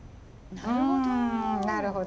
なるほど。